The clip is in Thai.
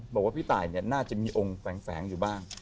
บอกว่าพี่ตายน่าจะมีองค์แฝงอยู่บ้าง